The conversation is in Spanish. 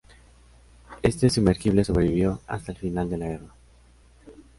Este sumergible sobrevivió hasta el final de la guerra.